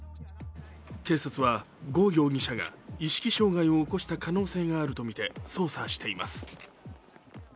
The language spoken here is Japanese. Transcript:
警察は呉容疑者が意識障害を起こした可能性があるとみて捜査しています。